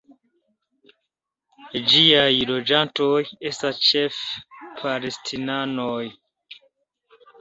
Ĝiaj loĝantoj estas ĉefe palestinanoj.